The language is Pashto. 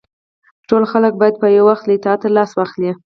ټول خلک باید په یو وخت له اطاعت لاس واخلي.